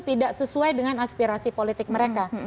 tidak sesuai dengan aspirasi politik mereka